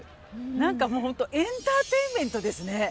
何かもうホントエンターテインメントですね。